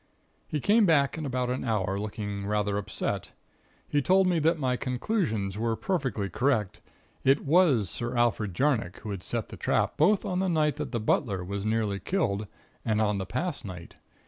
He came back in about an hour, looking rather upset. He told me that my conclusions were perfectly correct. It was Sir Alfred Jarnock who had set the trap, both on the night that the butler was nearly killed, and on the past night.